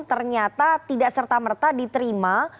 ternyata tidak serta merta diterima